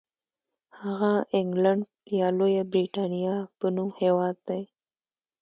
هغه انګلنډ یا لویه برېټانیا په نوم هېواد دی.